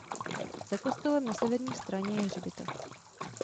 Za kostelem na severní straně je hřbitov.